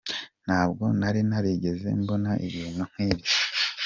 Ntabwo nari narigeze mbona ibintu nk’ibyo.